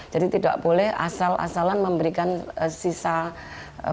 jadi tidak boleh asal asalan memberikan sisa perusahaan